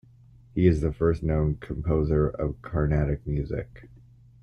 He is the first known composer in carnatic music.